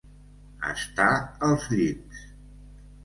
Estar als llimbs.